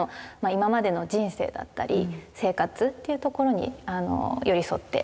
今までの人生だったり生活っていうところに寄り添って。